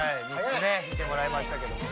３つね見てもらいましたけども。